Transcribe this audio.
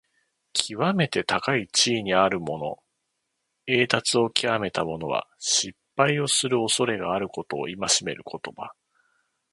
きわめて高い地位にあるもの、栄達をきわめた者は、失敗をするおそれがあることを戒める言葉。